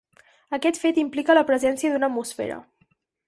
Aquest fet implica la presència d'una atmosfera.